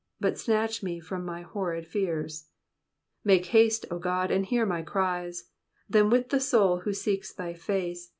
But snatch mc from ray horrid fears. Make haste, O God, and hear my cries ; Then with the souls who seek thy face.